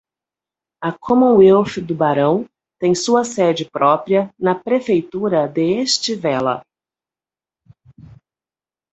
A Commonwealth do barão tem sua sede própria na prefeitura de Estivella.